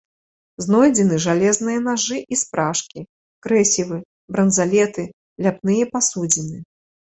Знойдзены жалезныя нажы і спражкі, крэсівы, бранзалеты, ляпныя пасудзіны.